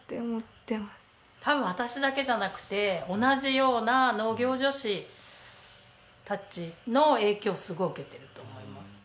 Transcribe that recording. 多分私だけじゃなくて同じような農業女子たちの影響すごい受けてると思います。